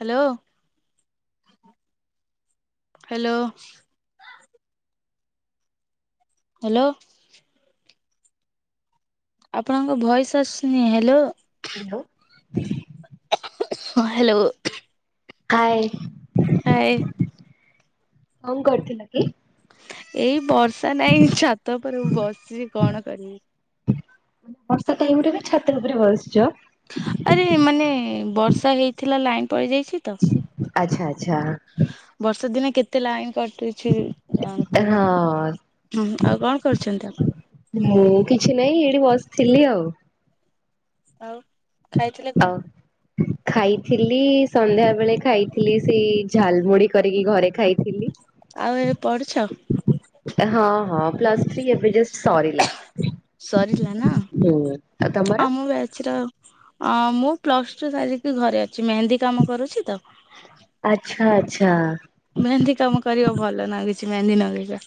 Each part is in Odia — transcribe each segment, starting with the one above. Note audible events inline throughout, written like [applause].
ହ୍ୟାଲୋ। ହ୍ୟାଲୋ। ହ୍ୟାଲୋ। ଆପଣଙ୍କ ଭଏସ୍ ଆସୁନି hello. Hello. Hello. Hi. Hi. କଣ କରୁଥିଲ କି? ଏଇ ବର୍ଷା ନାଇଁ ଛାତ ଉପରେ ମୁଁ ବସିଛି କଣ କରିବି। ମାନେ ବର୍ଷା ଟାଇମ୍ ରେ ବି ଛାତ ଉପରେ ବସିଛ? ଆରେ ମାନେ ବର୍ଷା ହେଇଥିଲା ଲାଇନ ପଳେଇ ଯାଇଛି ତ। ଆଚ୍ଛା ଆଚ୍ଛା। ବର୍ଷ ଦିନ କେତେ ଲାଇନ୍ କଟୁ ଛି ଯାଣୁଥିବେ ହଁ ହୁଁ ଆଉ କଣ କରୁଛନ୍ତି ଆପଣ? ମୁଁ କିଛି ନାହିଁ ଏଇଠି ବସିଥିଲି ଆଉ। ଆଉ? ଖାଇଥିଲେ କଣ? ହଉ [inaudible] ଖାଇଥିଲି ସନ୍ଧ୍ୟା ବେଳେ ଖାଇଥିଲି ସେଇ ଝାଲମୁଢ କରିକି ଘରେ ଖାଇଥିଲି। ଆଉ ଏବେ ପଢୁଛ? ହଁ ହଁ ପ୍ଲସ୍ ଥ୍ରୀ ଏବେ ଜଷ୍ଟ ସରିଲା। ସରିଲା ନା ହୁଁ ଆଉ ତମର? ଆମ ବ୍ୟାଚ ର ଆଉ। ଆ ମୁ ପ୍ଲସ ଟୁ ସାରିକି ଘରେ ଅଛି ମେହେନ୍ଦି କାମ କରୁଛି ତ। ଆଚ୍ଛା ଆଚ୍ଛା। ମେହେନ୍ଦି କାମ କରିବାକୁ ଭଲ ଲାଗୁଛି ମେହେନ୍ଦୀ ନଗେଇବା।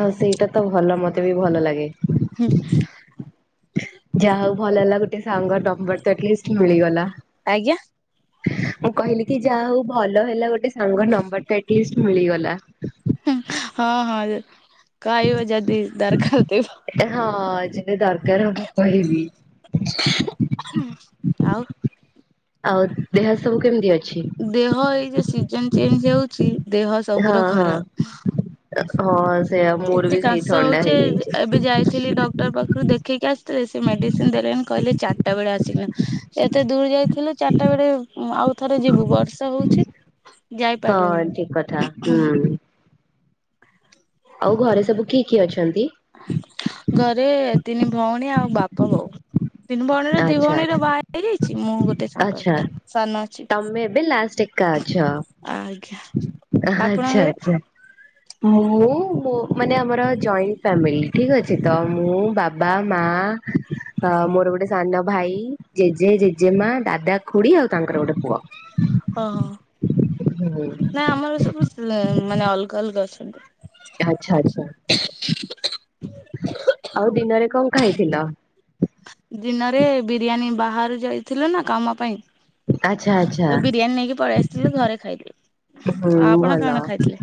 ଆଉ ସେଇଟା ତ ଭଲ ମତେ ବି ଭଲ ଲାଗେ। ହୁଁ। ଯାହା ହଉ ଭଲ ହେଲା ଗୋଟେ ସାଙ୍ଗ ନମ୍ବର୍ ତ ଆଟଲିଷ୍ଟ୍ ମିଳିଗଲା। ଆଜ୍ଞା। ମୁଁ କହିଲି କି ଯାହା ହଉ ଭଲ ହେଲା ଗୋଟେ ସାଙ୍ଗ ନମ୍ବର୍ ତ ଆଟଲିଷ୍ଟ ମିଳିଗଲା। ହଁ-ହଁ କାଇବ ଯାଦି [unintelligible] ଏ ହଁ ଯେବେ ଦରକାର ହ ମୁଁ କହିବି। ଆଉ। ଆଉ ଦେହ ସବୁ କେମିତି ଅଛି? ଦେହ ଏଇ ଯୋଉ ସିଜନ୍ ଚେଞ୍ଜ ହଉଚି ଦେହ ହଁ ସବୁର ହଁ ଖରାପ। ହଁ ସେଇଆ ମୋର ଏତେ ବି ସେଇ କାଶ ଥଣ୍ଡା ହଉଚି ହେଇଯାଇଛି। ଏବେ ଯାଇଥିଲି ଡ ଡଟର ପାଖରୁ ଦେଖେଇକି ଆସିଥିଲେ ସେ ମେଡିସିନ୍ ଦେଲେନି କହିଲେ ଚାରିଟା ବେଳେ ଆସିକିନା ଏତେ ଦୂର ଯାଇ ଥିଲୁ ଚାରିଟା ବେଳେ ଆଉ ଥରେ ଯିବୁ ବର୍ଷା ହଉଛି ହଁ ଠିକ କଥା ଯାଇପାରିଲିନି [unintelligible] ହୁଁ। ଆଉ ଘରେ ସବୁ କିଏ-କିଏ ଅଛନ୍ତି? ଘରେ ତିନି ଭଉଣୀ ଆଉ ବାପା ବୋଉ, ତିନି ଭଉଣୀର ଦି ଆଚ୍ଛା ଭଉଣୀର ଆଚ୍ଛା ଭାଇ [unintelligible] ଯାଇଛି ମୁଁ ଗୋଟେ ସାଙ୍ଗ ଆଚ୍ଛା ସାନ ଅଛି। ତମେ ଏବେ ଲାଷ୍ଟ ଆଜ୍ଞା। ଆପଣଙ୍କ ଘରେ ଆଚ୍ଛା-ଆଛା ମୁଁ ମାନେ ଆମର ଜଏଣ୍ଟ ଫ୍ୟାମିଲି। ଠିକ୍ ଅଛି ତ ମୁଁ ବାବା ମା ମୋର ଗୋଟେ ସାନ ଭାଇ ଜେଜେ, ଜେଜେମା, ଦାଦା ଖୁଡି ଆଉ ତାଙ୍କର ଗୋଟେ ପୁଅ। ନା ଆମର ସବୁ ମାନେ ଅଲଗା-ଅଲଗା ଅଛନ୍ତି। ଆଚ୍ଛା-ଆଚ୍ଛା ଆଉ ଦିନରେ କଣ ଖାଇଥିଲ? ଦିନରେ ବିରିୟାନୀ ବାହାରୁ ଯାଇଥିଲୁ ନା କାମ ପାଇଁ ଆଚ୍ଛା ଆଚ୍ଛା। ତ ବିରିୟାନୀ ନେଇକି ପଳେଇ ଆସିଥିଲୁ ଘରେ ଖାଇଲୁ। ହୁଁ ଆଉ ଆପଣ ଭଲ। କଣ ଖାଇଥିଲେ?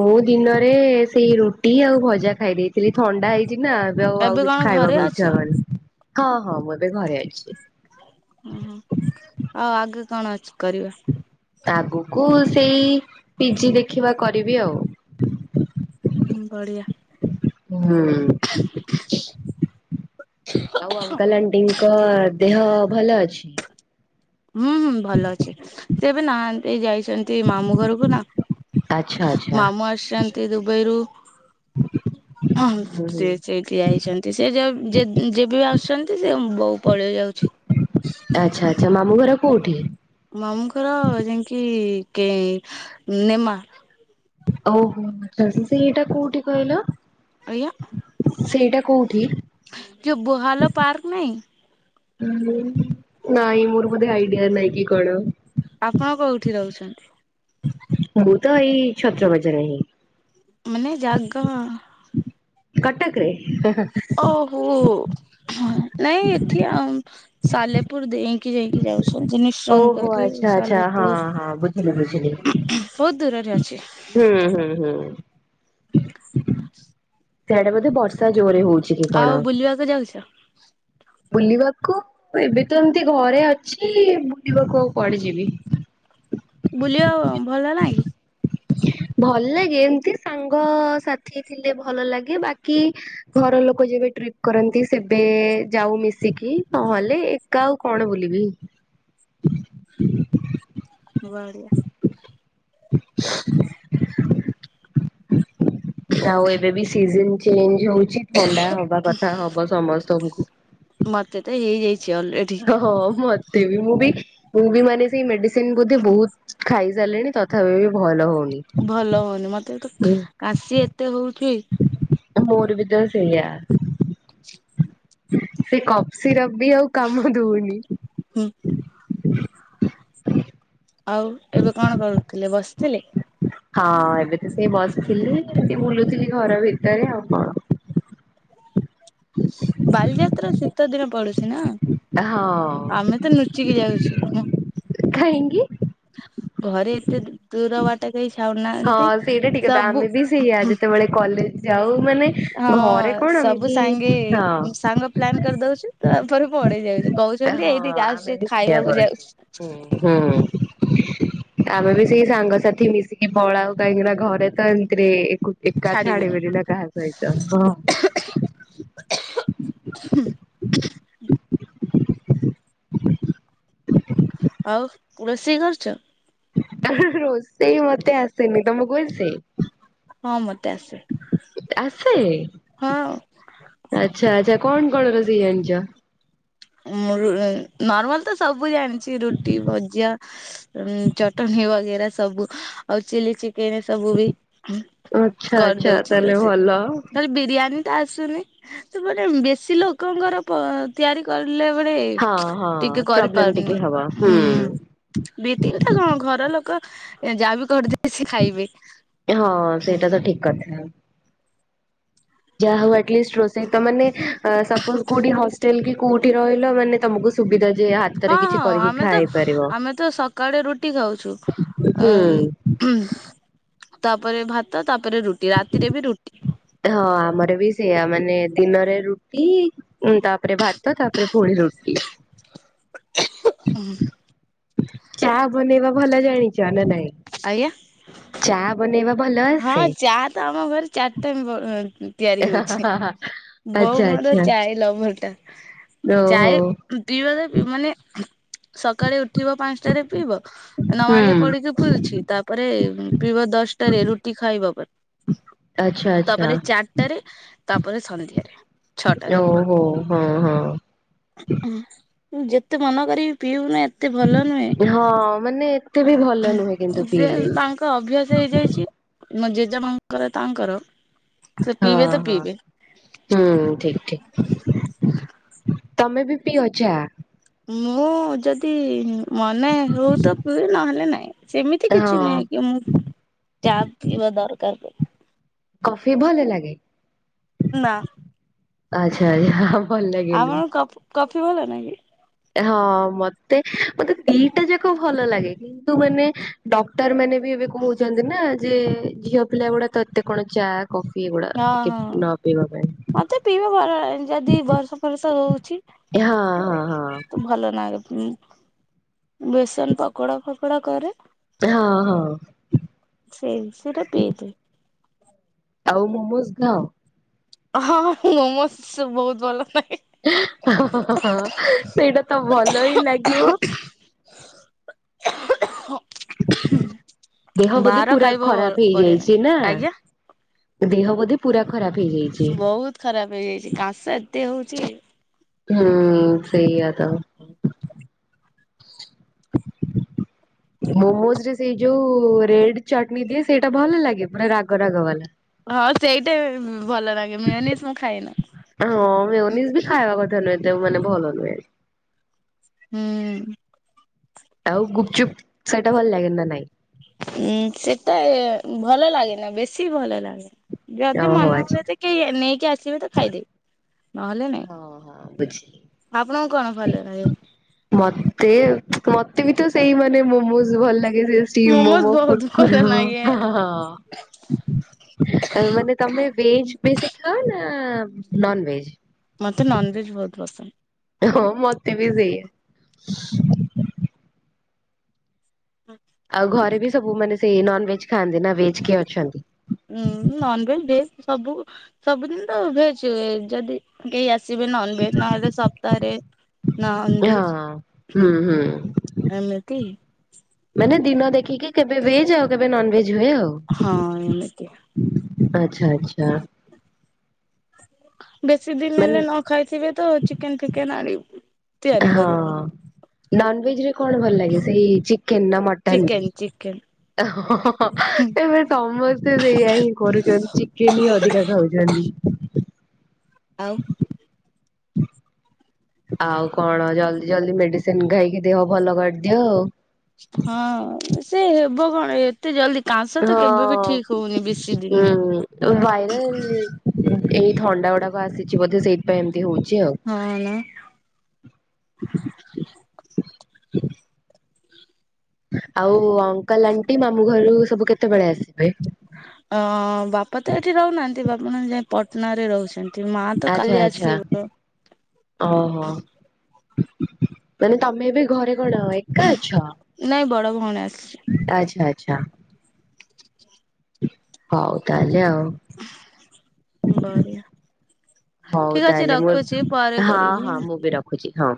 ମୁଁ ଦିନରେ ସେଇ ରୁଟି ଆଉ ଭଜା ଖାଇ ଦେଇଥିଲି ଥଣ୍ଡା ହେଇଚି ନା। ଏବେ ଆଉ ଆଉ କଣ କିଛି ଘରେ ଖାଇବାକୁ ଅଛ? ଇଚ୍ଛା ହବନି, ହଁ-ହଁ ମୁଁ ଏବେ ଘରେ ଅଛି। [unintelligible] ଆଉ ଆଗ କଣ ଅଛି କରିବା? ଆଗୁକୁ ସେଇ ପିଜି ଦେଖିବା କରିବି ଆଉ। ହୁଁ ବଢ଼ିଆ। ହୁଁ। ଆଉ ଅଙ୍କଲ୍ ଆଣ୍ଟିଙ୍କ ଦେହ ଭଲ ଅଛି? ହୁଁ-ହୁଁ ଭଲ ଅଛି ସେ ଏବେ ନାହାନ୍ତି ଯାଇଚ ନ୍ତି, ମାମୁଁ ଘରକୁ ନା ଆଚ୍ଛା ଆଚ୍ଛା। ମାମୁଁ ଆସିଛନ୍ତି ଦୁବାଇରୁ ହଁ-ହଁ। ହୁଁ ହୁଁ ସେ ସେଇଠି ଯାଇଚନ୍ତି, ସେ ଯେ-ଯେ ଯେବେ ବି ଆସୁଛନ୍ତି ସେ ବୋଉ ପଳେଇ ଯାଉଛି। ଆଛା-ଆଚ୍ଛା ମାମୁଁ ଘର କୋଉଠି? ମାମୁଁଘର ଯାଇକି କେ ନେମା ଓହୋ ସେ ଏଇଟା କୋଉଠି କହିଲ? ଆଜ୍ଞା ସେଇଟା କୋଉଠି? ଯୋଉ ବୋହାଲ ପାର୍କ ନାହିଁ। ନାଇଁ ମୋର ବୋଧେ ଆଇଡିଆ ନାହିଁ କି କଣ। ଆପଣ କୋଉଠି ରହୁଛନ୍ତି? ମୁଁ ତ ଏଇ ଛତ୍ର ବଜାର ହିଁ। ମାନେ ଜାଗ କଟକରେ ହା ହା। ଓହୋ। ହଁ ନାଇଁ ଏଠି ଆମ ସାଲେପୁର ଦେଇଁକି ଯାଇକି ଯାଉଛୁ। ଓହୋ [unintelligible] ଆଚ୍ଛା ଆଚ୍ଛା ହଁ ସାଲେପୁର ହଁ ବୁଝିଲି ବୁଝିଲି। ବହୁତ ଦୂରରେ ଅଛି। ହୁଁ ହୁଁ ହୁଁ। ସେଆଡେ ବୋଧେ ବର୍ଷା ଜୋରେ ହଉଛି କି ଆଉ କଣ ବୁଲିବାକୁ ଯାଉଛ ବୁଲିବାକୁ ଏବେ ତ ଏମିତି ଘରେ ଅଛି ବୁଲିବାକୁ ଆଉ କୁଆଡେ ଯିବି। ବୁଲିବା ଭଲ ନାଇ। ଭଲ ଲାଗେ ଏମତି ସାଙ୍ଗ ସାଥି ଥିଲେ ଭଲ ଲାଗେ ବାକି ଘର ଲୋକ ଯେବେ ଟ୍ରିପ କରନ୍ତି ସେବେ ଯାଉ ମିଶିକି ନହେଲେ ଏ କା ଆଉ କଣ ବୁଲିବି। ବଢ଼ିଆ। ଆଉ ଏବେ ବି ସିଜନ ଚେଞ୍ଜ ହଉଚି। ଥଣ୍ଡା ହବା କଥା ହବ ସମସ୍ତଙ୍କୁ। ମତେ ତ ହେଇଯାଇଛି ଅଲରେଡି। ହଁ ମତେ ବି ମୁଁ ବି ମୁଁ ବି ମାନେ ସେଇ ମେଡିସିନ ବୋଧେ ବହୁତ ଖାଇ ସାରିଲିଣି ତ ଥାପି ବି ଭଲ ହଉନି। ଭଲ ହଉନି ମତେ କିନ୍ତୁ ହୁଁ କାଶି ଏତେ ହଉଛି। ମୋର ବି ତ ସେଇଆ। ସେ କପ୍ ସିରପ ବି ଆଉ କାମ ଦଉନି। ହୁଁ ଆଉ ଏବେ କଣ କରୁଥିଲେ ବସିଥିଲେ? ହଁ ଏବେ ତ ସେଇ ବସିଥିଲି ସେଇ ବୁଲୁଥିଲି ଘର ଭିତରେ ଆଉ କଣ। [inaudible] ବାଲିଯାତ୍ରା ଶୀତ ଦିନ ପଡୁଛି ନା। ହଁ ଆମେ ତ ନୁଚିକି ଯାଉଛୁ। କାହିଁକି? ଘରେ ଏତେ ଦୁ ଦୂର ବାଟ କେହି ଚ୍ଛା ହଁ ସେଇଟା ଠିକ କଥା ଆମେ ବି ସେଇଆ ଯେତେବେଳେ କଲେଜ ଯାଉ ମାନେ ଘରେ ହଁ କଣ ସବୁ ଏମତି ସାଙ୍ଗେ ସାଙ୍ଗ ପ୍ଲାନ୍ ହଁ। କରିଦଉଛୁ ତାପରେ ପଡେଇ ଯାଉଛି କହୁଛନ୍ତି ହଁ ଏଇଠିକି ଆସ ଖାଇବାକୁ ଯାଉଛି। ହଁ ହୁଁ ଆମେ ବି ସେଇ ସାଙ୍ଗସାଥି ମିଶିକି କି ପଳାଉ କାହିଁକିନା ଘରେ ତ ଏମତି ରେ ଏ ଏକା ଛାଡିବିନି ଛାଡ଼ିବେନି ନା କା ସହିତ ହଁ। ଆଉ ରୋଷେଇ କରୁଛ। ଆ ହା ହା ରୋଷେଇ ମତେ ଆସେନି ତମକୁ ଆସେ? ହଁ ମତେ ଆସେ ଆସେ। ହଁ ଆଚ୍ଛା ଆଛା କଣ କଣ ରୋସେଇ ଜାଣିଛ। ଉଁ ନର୍ମାଲ ତ ସବୁ ଜାଣିଛି ରୁଟି ଭଜା। ଉ ଚଟଣି ବଗେରା ସବୁ ଆଉ ଚିଲି ଚିକେନ ସବୁ ବି। ଆଚ୍ଛା ଆଚ୍ଛା କରିଦଉଛି ତାହେଲେ ରସେଇ ଭଲ। ନହେଲେ ବିରିୟାନୀ ଟା ଆସୁନି ସେପଟ ବେଶୀ ଲୋକଙ୍କର ପ ତିଆରି କରିଲା ବେଳେ ହଁ ହଁ ଟିକେ ପ୍ରୋବ୍ଲେମ ଟିକେ କରିପାରୁନି ହବ ହୁଁ। ବି ତିନିଟା କଣ ଘର ଲୋକ ଯାହା ବିି କରି ସେ ଖାଇବେ ହଁ ସେଇଟା ତ ଠିକ କଥା ଯାହା ହଉ ଅଟଲିଷ୍ଟ ରୋଷେଇ ତ ମାନେ ସପୋଜ୍‌ କୋଉଠି ହଷ୍ଟେଲ୍ କି କୋଉଠି ରହିଲ ମାନେ ତମକୁ ସୁବିଧା ଯେ ହଁ ହାତରେ କିଛି ହଁ କରିକି ଆମେ ତ ଖାଇ ପାରିବ ଆମେ ତ ସକାଳେ ରୁଟି ଖାଉଛୁ ଅ ହୁଁ ହମ୍ମ ତାପରେ ଭାତ ତାପରେ ରୁଟି ରାତିରେ ବି ରୁଟି ହଁ ଆମର ବି ସେଆା ମାନେ ଦିନରେ ରୁଟି ହୁଁ ତାପରେ ଭାତ ତାପରେ ପୁଣି ରୋଟିି [unintelligible] ଚା ବନେଇବା ଭଲ ଜାଣିଛ ନା ନାଇଁ ଆଜ୍ଞା ଚା ବନେଇବା ଭଲ ହଁ ଆସେ ଚା ତ ଆମ ଘରେ ଚାରି ଟାଇମ ତିଆରି ହଉଛି ବୋଉ ଆଚ୍ଛା ମୋର ଆଚ୍ଛା ଚାଏ ଲଭର ଟା ଓହୋ ଚାଏ ପିଇବାରେ ମାନେ ସକାଳେ ଉଠିବ ପାଞ୍ଚଟାରେ ପିଇବ ହୁଁ ନମାଜ ପଢିକି ଫୁଲଛି ତାପରେ ପିଇବ ଦଶଟାରେ ରୁଟି ଖାଇବା ପରେ ଆଚ୍ଛା ଆଚ୍ଛା ତାପରେ ଚାରିଟାରେ ତାପରେ ସନ୍ଧ୍ୟାରେ ଛଅଟାରେ ଓହୋ ହଉ ହଁ ହଁ ହ ମ ଯେତେ ମନ କରିବି ପିଇବୁନ ଏତେ ଭଲ ନୁହେଁ ହଁ ମାନେ ଏତେ ବି ଭଲ ନୁହେଁ କିନ୍ତୁ ଯେ ପିଇଲେ ତାଙ୍କ ତ ଅଭ୍ୟାସ ହେଇଯାଇଛି ମୋ ଜେଜେ ମାଙ୍କର ତାଙ୍କର ସେ ହଁ ପିଇବେ ତ ହଁ ପିଇବେ ହୁଁ ଠିକ ଠିକ ତମେ ବି ପିଅ ଚା ମୁଁ ଯଦି ମନେ ହଉ ତ ପିଏ ନହେଲେ ନାଇଁ ସେମିତି କିଛି ହଁ ନୁହେଁ ମୁ ଚା ପିଇବା ଦରକାର। କଫି ଭଲ ଲାଗେ? ନା ଆଚ୍ଛା ଆଚ୍ଛା ହଉ ଆମର କଫି କଫି ଭଲ ଲାଗେ? ହଁ ମତେ ମତେ ଦିଟା ଯାକ ଭଲ ଲାଗେ କିନ୍ତୁ ମାନେ ଡକ୍ଟର ମାନେ ଏବେ କହୁଛନ୍ତି ନା ଯେ ଝିଅ ପିଲା ଗୁଡା ତ ଏତେ କଣ ଚା କଫି ଏଗୁଡା ହଁ ଟିକେ ହଁ ନ ପିଇବା ପାଇଁ ମତେ ପିଇବେ ଭଲ--ଯଦି ବର୍ଷା ଫର୍ଷା ହଉଛି ହଁ ହଁ ହଁ ତ ଭଲ ନାେ ବେସନ ପକୋଡା ଫକୋଡା କରେ ହଁ ହଁ ସେଇ ସେମିତି ରେ ପି ଦିଏ ଆଉ ମୋମୋଜ ଖାଅ ହଁ ମୋମୋସ୍ ବହୁତ ଭଲ ଲାଗେ ହ- ହା- ହା ସେଇଟା ତ ଭଲ ହିଁ ଲାଗିବ [unintelligible] ଦେହ ବୋଧେ ବାହାର ପୁରା ଖାଇବା ଖରାପ ବଢିଆ ନାହିଁ ହେଇଯାଇଛି ନା? ଆଜ୍ଞା। ଦେହ ବୋଧେ ପୁରା ଖରାପ ହେଇଯା ବହୁତ ଖରାପ ହେଇଯାଇଛି କାଶ ଏତେ ହଉଛି ହୁଁ ସେଇଆ ତ [unintelligible] ମୋମୋଜ ରେ ସେଇ ଯୋଉ ରେଡ ଚଟନୀ ଦିଏ ସେଇଟା ଭଲ ଲାଗେ ମାନେ ପୁରା ରାଗ ରାଗ ବାଲା? ହଁ ସେଇଟା ଭଲ ଲାଗେ ମେଓନିଜ ମୁଁ ଖାଏନା। ହଁ ମେଓନିଜ ବି ଖାଇବା କଥା ନୁହେଁ ଏତେ ମାନେ ଭଲ ନୁହେଁ। ହୁଁ ଆଉ ଗୁପଚୁପ୍ ସେଇଟା ଭଲ ଲାଗେ ନା ନାଇଁ। ଉଁ ସେଟା ଭଲ ଲାଗେନା ବେଶୀ ଭଲ ଲାଗେ ଯଦି ଓହୋ ମନ ଆଚ୍ଛା। ହୁଏ। କି ନେଇକି ଆସିବେ ତ ଖାଇଦେବି ନହେଲେ ନାଇଁ ହଁ ହଁ ବୁଝିଲି। ଆପଣଙ୍କୁ କଣ ଭଲ ଲାଗେ ମତେ ମତେ ବି ତ ସେଇ ମାନେ ମୋମୋଜ ଭଲ ଲାଗେ ସେ ଷ୍ଟିମ ମୋମୋସ୍ ମୋମୋ ବହୁତ ଭଲ କୁର୍କୁରେ ଲାଗେ ମୋମୋ ହଁ ହଁ ଆ ମାନେ। ତମେ ବେଜ ବେସିି ଖାଅ ନା ନନ୍ ଭେଜ୍। ମତେ ନନ୍ ଭେଜ୍ ବହୁତ ପସନ୍ଦ। ହଁ ମତେ ବି ସେୟା। ହଁ। ଆଉ ଘରେ ବି ସବୁ ମାନେ ସେଇ ନନ୍ ଭେଜ୍ ଖାଆନ୍ତି ନା ଭେଜ କିଏ ଅଛନ୍ତି? ଉୁଁ ନନ୍ ଭେଜ୍ ସବୁ। ସବୁଦିନ ତ ଭେଜ ଯଦି କେହି ଆସିବେ ନନ୍ ଭେଜ୍ ନହେଲେ ସପ୍ତାହରେ ନନଭେଜ ହଁ, ହୁଁ ହୁଁ ଏମିତି ମାନେ ଦିନ ଦେଖିକି କେବେ ଭେଜ ଆଉ କେବେ ନନ୍ ଭେଜ୍ ହୁଏ ଆଉ। ହଁ ଏମିତିଆ ଆଚ୍ଛା ଆଚ୍ଛା। ବେଶୀ ଦିନ ମାନେ ହେଲେ ନ ଖାଇଥିବେ ତ ଚିକେନ ଫିକେନ ଆଣି ତିଆରି ହଁ କରିବୁ ନନ୍ ଭେଜ୍ ରେ କଣ ଭଲ ଲାଗେ ସେଇ ଚିକେନ ନା ମଟନ ବି? ଚିକେନ୍। ହଁ ହଁ ହଁ ଏବେ ସମସ୍ତେ ସେଇଆ ହିଁ କରୁଛନ୍ତି ଚିକେନ ହିଁ ଅଧିକା ଖାଉଛନ୍ତି। ଆଉ ଆଉ କଣ ଜଲ୍ଦି ଜଲ୍ଦି ମେଡିସିନ ଖାଇକି ଦେହ ଭଲ କରିଦିଅ। ହଁ ସେ ହେବ କଣ ଏ ଏତେ ଜଲଦି କାଁସ୍ ହଁ ହୁଁ ଭାଇରାଲ ଏଇ ଥଣ୍ଡା ଗୁଡାକ ଆସିଛି ବୋଧେ ସେଇଥିପାଇଁ ଏମିତି ହଉଛି ଆଉ। ହଁ ଆଜ୍ଞା ଆଉ ଅଙ୍କଲ, ଆଣ୍ଟି ମାମୁଁ ଘରୁ ସବୁ କେତେବେଳେ ଆସିବେ? ଅଁ--ବାପା ତ ଏଠି ରହୁନାହାନ୍ତି ବାପା ଯାଇଁ ପଟନା ରେ ରହୁଛନ୍ତି। ମା ତ ଆଚ୍ଛା କାଲି ଆଚ୍ଛା ଆସିବ। ଓହୋ। ମାନେ ତମେ ଏବେ ଘରେ କଣ ଏକା ଅଛ। ନାଇଁ ବଡ ଭଉଣୀ ଆସିଛି। ଆଚ୍ଛା ଆଚ୍ଛା। ହଉ ତାହେଲେ ଆଉ। ବଢିଆ ହଉ ଠିକ୍ ଅଛି ତାହେଲେ ମୁଁ ରଖୁଛି ପରେ ହଁ ହଁ କରିବି। ମୁଁ ବି ରଖୁଛି ହଁ।